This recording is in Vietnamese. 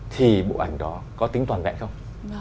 thì bộ ảnh đó có tính toàn vẹn không